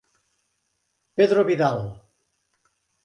Pedro Vidal.